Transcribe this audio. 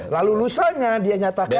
lalu lusanya dia nyatakan